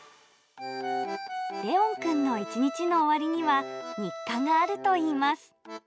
レオン君の一日の終わりには、日課があるといいます。